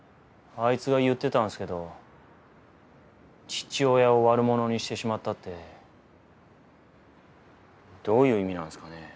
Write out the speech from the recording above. あいつが言ってたんですけど「父親を悪者にしてしまった」ってどういう意味なんですかね。